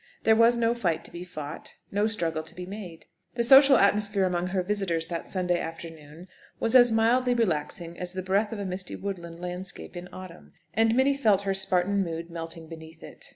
There was no fight to be fought, no struggle to be made. The social atmosphere among her visitors that Saturday afternoon was as mildly relaxing as the breath of a misty woodland landscape in autumn, and Minnie felt her Spartan mood melting beneath it.